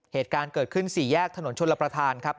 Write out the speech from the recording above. เหตุการณ์เกิดขึ้นสี่แยกถนนชนรับประทานครับ